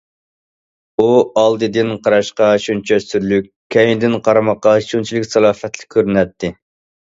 ئۇ ئالدىدىن قاراشقا شۇنچە سۈرلۈك، كەينىدىن قارىماققا شۇنچىلىك سالاپەتلىك كۆرۈنەتتى.